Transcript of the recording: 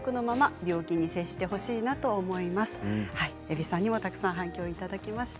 蛭子さんにもたくさんの反響をいただきました。